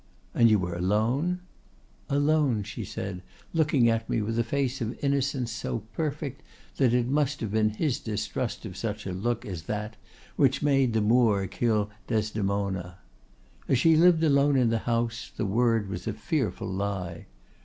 '—'And you were alone?'—'Alone,' said she, looking at me with a face of innocence so perfect that it must have been his distrust of such a look as that which made the Moor kill Desdemona. As she lived alone in the house, the word was a fearful lie.